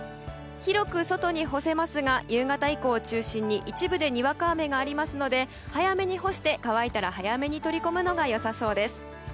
広く外に干せますが夕方以降を中心に一部でにわか雨がありますので早めに干して、乾いたら早めに取り込むのが良さそうです。